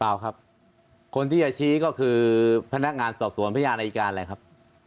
ครับคนที่จะชี้ก็คือพนักงานสอบสวนพยานอายการแหละครับ